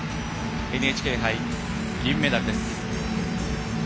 ＮＨＫ杯、銀メダルです。